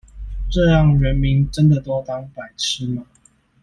這樣人民真的都當白痴嗎？